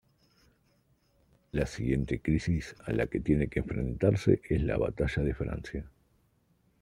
La siguiente crisis a la que tiene que enfrentarse es la batalla de Francia.